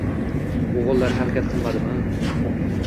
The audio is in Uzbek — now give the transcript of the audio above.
O‘g‘illar harakat qilmadima